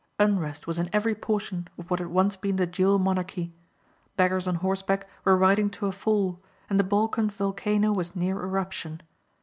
Unrest was in every portion of what had once been the dual monarchy. Beggars on horseback were riding to a fall and the Balkan volcano was near eruption.